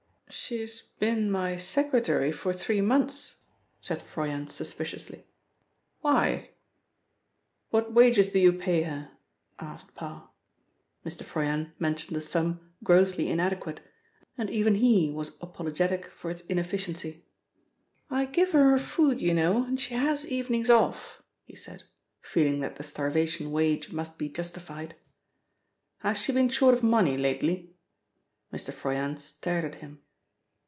"She has been my secretary for three months," said Froyant suspiciously. "Why?" "What wages do you pay her?" asked Parr. Mr. Froyant mentioned a sum grossly inadequate, and even he was apologetic for its inefficiency. "I give her her food, you know, and she has evenings off," he said, feeling that the starvation wage must be justified. "Has she been short of money lately?" Mr. Froyant stared at him.